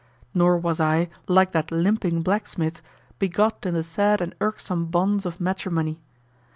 Nor was I, like that limping blacksmith, begot in the sad and irksome bonds of matrimony.